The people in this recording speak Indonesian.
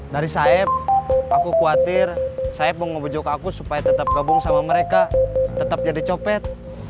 dari sayap aku khawatir saya mau ngebejok aku supaya tetap gabung sama mereka tetap jadi copet